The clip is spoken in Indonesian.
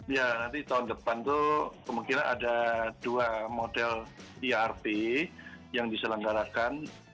ya nanti tahun depan itu kemungkinan ada dua model irp yang diselenggarakan